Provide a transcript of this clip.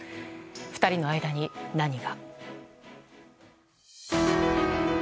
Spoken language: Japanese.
２人の間に何が？